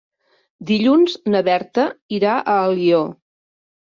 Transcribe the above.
Dilluns na Berta irà a Alió.